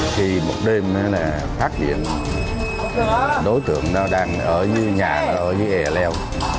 khi một đêm phát hiện đối tượng đang ở dưới nhà ở dưới ẻ leo